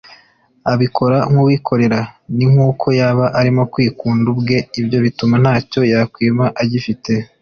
abikora nk’uwikorera ni nk’uko yaba arimo kwikunda ubwe ibyo bituma ntacyo yakwima agifite